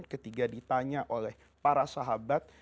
ketika ditanya oleh para sahabat